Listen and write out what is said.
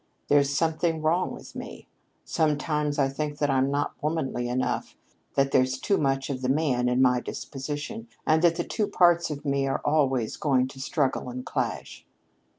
There's something wrong with me. Sometimes I think that I'm not womanly enough that there's too much of the man in my disposition, and that the two parts of me are always going to struggle and clash."